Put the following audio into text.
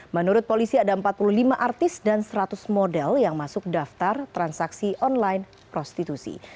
menurut polisi ada empat puluh lima artis dan seratus model yang masuk daftar transaksi online prostitusi